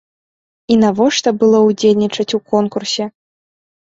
І навошта было ўдзельнічаць у конкурсе?